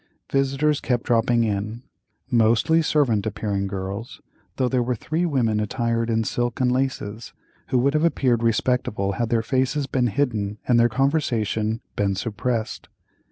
Visitors kept dropping in, mostly servant appearing girls, though there were three women attired in silk and laces, who would have appeared respectable had their faces been hidden and their conversation been suppressed.